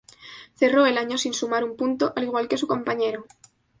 Cerró el año sin sumar un punto, al igual que su compañero.